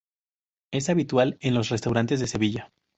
Es habitual en los restaurantes de Sevilla.